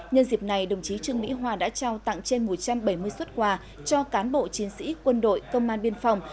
nhân dịp này đồng chí trương mỹ hoa đã trao tặng trên một trăm bảy mươi xuất quà cho cán bộ chiến sĩ quân đội công an biên phòng